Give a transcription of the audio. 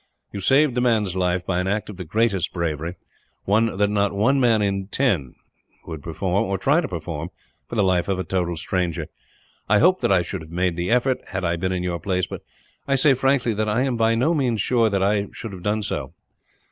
You saved the man's life, by an act of the greatest bravery one that not one man in ten would perform, or try to perform, for the life of a total stranger. I hope that I should have made the effort, had I been in your place; but I say frankly that I am by no means sure that I should have done so.